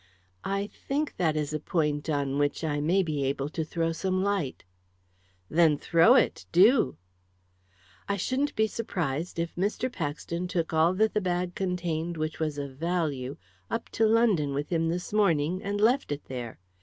"I think that is a point on which I may be able to throw some light." "Then throw it do!" "I shouldn't be surprised if Mr. Paxton took all that the bag contained which was of value up to London with him this morning, and left it there.